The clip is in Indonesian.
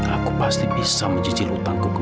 aku harapu boleh menulis al muksan pertama